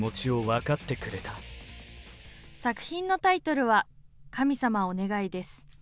作品のタイトルは、神様お願いです。